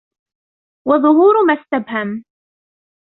وَظُهُورُ مَا اسْتَبْهَمَ